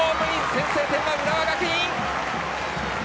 先制点は浦和学院！